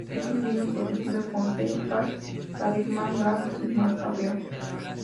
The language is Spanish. Es un vino producido con cepas carignan blanc y macabeo.